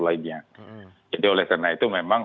lainnya jadi oleh karena itu memang